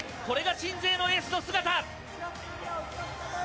これが鎮西のエースの姿。